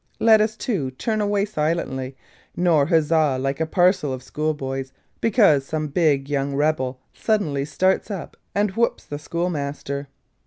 Let us too turn away silently, nor huzza like a parcel of school boys, because some big young rebel suddenly starts up and whops the schoolmaster.